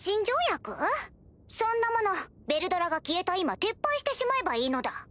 そんなものヴェルドラが消えた今撤廃してしまえばいいのだ。